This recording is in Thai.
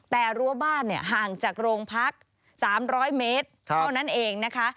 แต่รั้วบ้านห่างจากโรงพัก๓๐๐เมตรเท่านั้นเองนะคะ